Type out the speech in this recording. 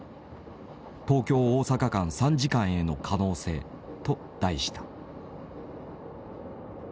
「東京大阪間３時間への可能性」と題した。